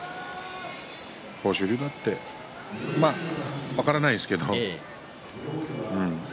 豊昇龍だって分からないですけれども。